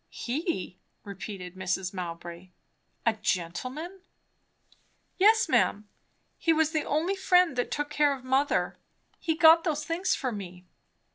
"He?" repeated Mrs. Mowbray. "A gentleman?" "Yes, ma'am. He was the only friend that took care of mother. He got those things for me."